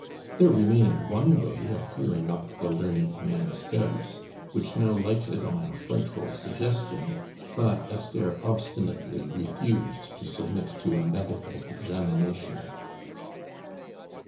There remained one way of clearing up the learned man's doubts, which now lighted on a frightful suggestion; but Esther obstinately refused to submit to a medical examination.